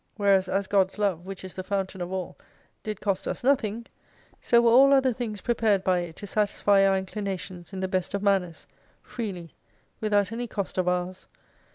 Whereas, as God's love, which is the fountain of all, did cost us nothing : so were all other things prepared by it to satisfy our inclinations in the best of manners, freely, without any cost of ours.